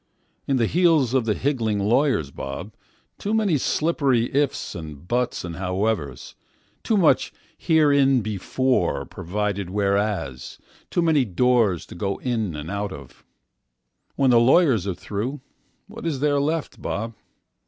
In the heels of the higgling lawyers, Bob, Too many slippery ifs and buts and howevers, Too much hereinbefore provided whereas, Too many doors to go in and out of. When the lawyers are throughWhat is there left, Bob?